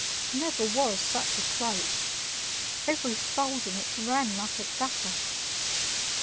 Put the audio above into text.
Never was such a cloak; every fold in it ran like a gutter.